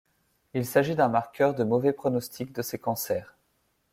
Il s'agit d'un marqueur de mauvais pronostic de ces cancers.